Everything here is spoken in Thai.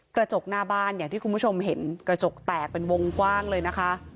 กระจกหน้าบ้านอย่างที่คุณผู้ชมเห็นกระจกแตกเป็นวงกว้างเลยนะคะ